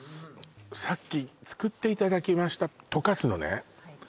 さっき作っていただきました溶かすのね？